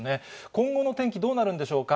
今後の天気どうなるんでしょうか。